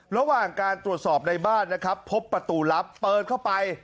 ระหว่างการตรวจสอบในบ้านนะครับพบประตูลับเปิดเข้าไป